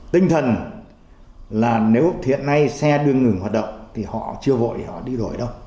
tinh thần là nếu hiện nay xe đưa ngừng hoạt động thì họ chưa vội họ đi đổi đâu